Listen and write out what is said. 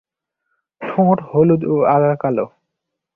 ঠোঁট হলুদ ও আগা কালো।